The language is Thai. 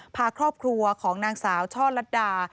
พาครอบครัวของนางสาวช่อลัดดา